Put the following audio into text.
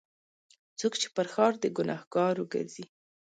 څوک چې پر ښار د ګناهکارو ګرځي.